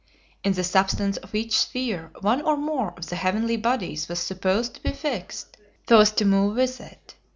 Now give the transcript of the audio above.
In the substance of each sphere one or more of the heavenly bodies was supposed to be fixed, so as to move with it.